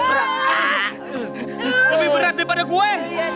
lebih berat daripada gue